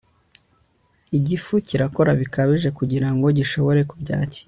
Igifu kirakora bikabije kugira ngo gishobore kubyakira